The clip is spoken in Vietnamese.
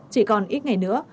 chỉ còn ít ngày nữa